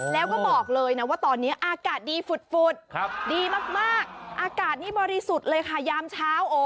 แล้วก็บอกเลยนะว่าตอนนี้อากาศดีฝุดดีมากอากาศนี่บริสุทธิ์เลยค่ะยามเช้า